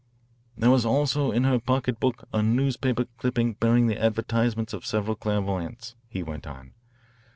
"There was also in her pocketbook a newspaper clipping bearing the advertisements of several clairvoyants," he went on.